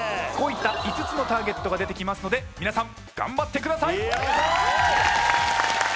こういった５つのターゲットが出てきますので皆さん頑張ってください。